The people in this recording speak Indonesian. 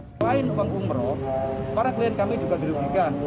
selain uang umroh para klien kami juga dirugikan